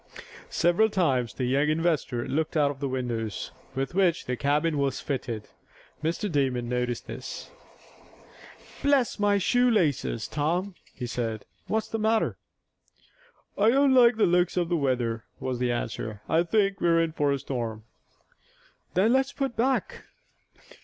Several times the young investor looked out of the windows with which the cabin was fitted. Mr. Damon noticed this. "Bless my shoe laces, Tom," he said. "What's the matter?" "I don't like the looks of the weather," was the answer. "I think we're in for a storm." "Then let's put back."